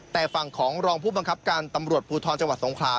แต่ฝั่งของรองผู้บังคับการตำรวจภูทรจังหวัดสงขลา